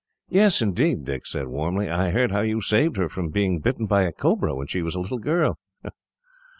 "Yes, indeed," Dick said, warmly. "I heard how you saved her from being bitten by a cobra, when she was a little girl."